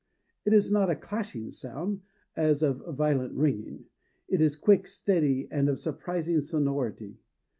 It is not a clashing sound, as of violent ringing; it is quick, steady, and of surprising sonority.